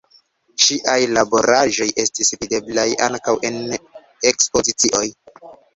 Ŝiaj laboraĵoj estis videblaj ankaŭ en ekspozicioj.